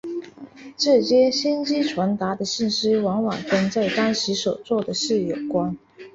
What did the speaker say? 这些先知传达的信息往往跟在当时所做的事有关。